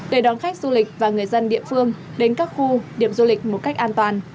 để đón khách du lịch và người dân địa phương đến các khu điểm du lịch một cách an toàn